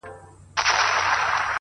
چي دي غوښتل هغه تللي دي له وخته؛